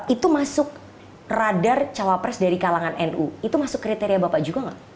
itu masuk radar cawapres dari kalangan nu itu masuk kriteria bapak juga nggak